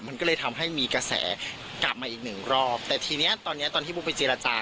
มันก็เลยทำให้มีกระแสกลับมาอีกหนึ่งรอบแต่ทีเนี้ยตอนเนี้ยตอนที่บุ๊กไปเจรจา